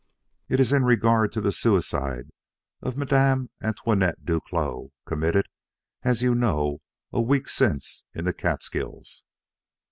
"It is in regard to the suicide of Madame Antoinette Duclos, committed, as you know, a week since in the Catskills."